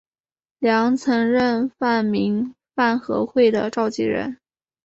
梁曾任泛民饭盒会的召集人。